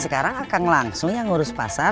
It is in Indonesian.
sekarang akan langsung yang ngurus pasar